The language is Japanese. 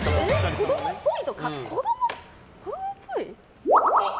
子供っぽい？